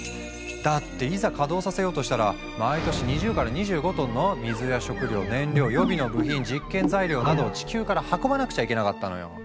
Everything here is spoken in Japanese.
だっていざ稼働させようとしたら毎年２０から２５トンの水や食料燃料予備の部品実験材料などを地球から運ばなくちゃいけなかったのよ。